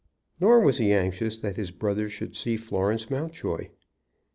Nor was he anxious that his brother should see Florence Mountjoy.